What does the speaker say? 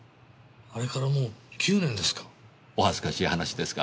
あれからもう９年ですか？